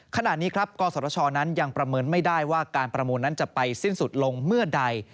ขณะนี้ครับกศชนั้นยังประเมินไม่ได้ว่าการประมูลนั้นจะไปสิ้นสุดลงเมื่อใด